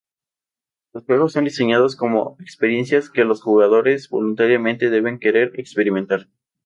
Los juegos son diseñados como experiencias que los jugadores, voluntariamente, deben querer experimentar.